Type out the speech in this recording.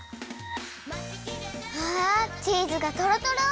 わあチーズがとろとろ！